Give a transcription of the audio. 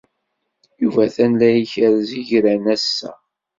Yuba atan la ikerrez igran ass-a.